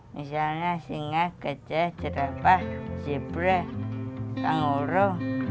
misalnya singa kece cerahpah jipre tangoro